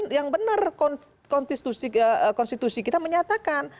yang benar konstitusi kita menyatakan